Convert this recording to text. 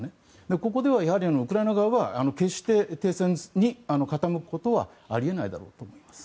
ここでは、ウクライナ側は決して停戦に傾くことはあり得ないだろうと思います。